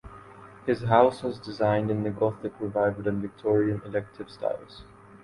His house was designed in the Gothic Revival and Victorian Eclectic styles.